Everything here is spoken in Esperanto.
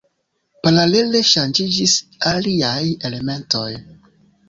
Paralele ŝanĝiĝis aliaj elementoj.